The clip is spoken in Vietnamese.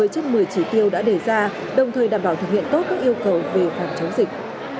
chất một mươi chỉ tiêu đã đề ra đồng thời đảm bảo thực hiện tốt các yêu cầu về phòng chống dịch